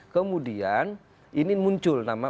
kemudian ini muncul nama